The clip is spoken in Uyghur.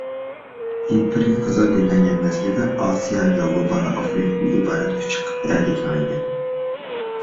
ئىمپېرىيە تازا گۈللەنگەن مەزگىلدە، ئاسىيا، ياۋروپا ۋە ئافرىقىدىن ئىبارەت ئۈچ قىتئەگە كېڭەيگەن.